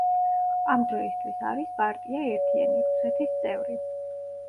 ამ დროისთვის არის პარტია „ერთიანი რუსეთის“ წევრი.